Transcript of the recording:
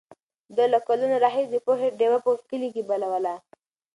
ده له کلونو راهیسې د پوهې ډېوه په کلي کې بلوله.